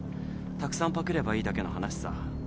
たくさんパクればいいだけの話さ。